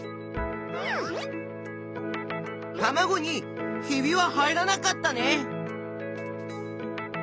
たまごに「ひび」は入らなかったね。